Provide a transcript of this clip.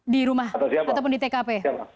di rumah ataupun di tkp